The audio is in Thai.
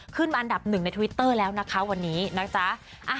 อันดับหนึ่งในทวิตเตอร์แล้วนะคะวันนี้นะจ๊ะ